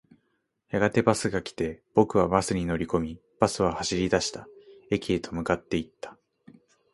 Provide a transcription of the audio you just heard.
やがてバスが来て、僕はバスに乗り込み、バスは走り出した。駅へと向かっていった。